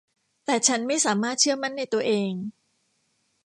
แต่ฉันไม่สามารถเชื่อมั่นในตัวเอง